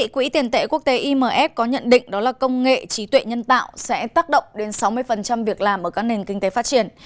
quỹ tiền tệ quốc tế imf có nhận định đó là công nghệ trí tuệ nhân tạo sẽ tác động đến sáu mươi việc làm ở các nền kinh tế phát triển